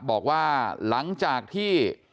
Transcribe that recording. บอกว่าหลังจากที่